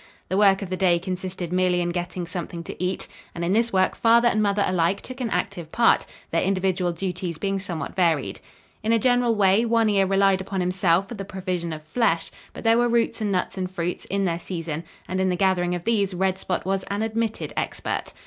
The work of the day consisted merely in getting something to eat, and in this work father and mother alike took an active part, their individual duties being somewhat varied. In a general way One Ear relied upon himself for the provision of flesh, but there were roots and nuts and fruits, in their season, and in the gathering of these Red Spot was an admitted expert.